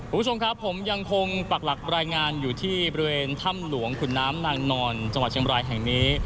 คุณผู้ชมครับผมยังคงปักหลักรายงานอยู่ที่บริเวณถ้ำหลวงขุนน้ำนางนอนจังหวัดเชียงบรายแห่งนี้